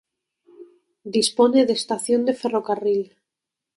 Dispone de estación de ferrocarril.